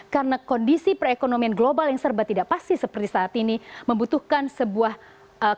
karena kondisi perekonomian global yang serba tidak pasti seperti saat ini membutuhkan sebuah kebijakan takdir